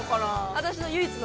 私の唯一の。